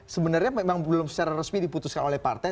sebenarnya memang belum secara resmi diputuskan oleh partai